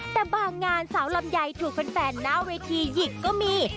แต่บางงานสาวลำไยถูกแฟนหน้าเวทีหยิกก็มี